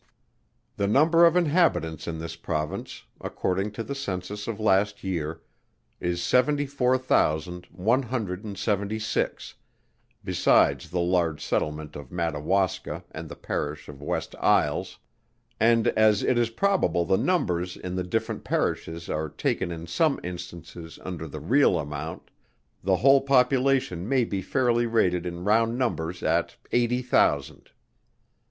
The number of inhabitants in this Province, according to the census of last year, is seventy four thousand one hundred and seventy six besides the large settlement of Madawaska and the parish of West Isles; and as it is probable the numbers in the different parishes are taken in some instances under the real amount, the whole population may be fairly rated in round numbers at eighty thousand.